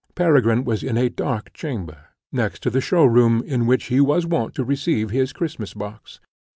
Peregrine was in a dark chamber, next the show room in which he was wont to receive his Christmas box.